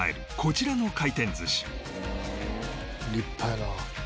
「立派やな」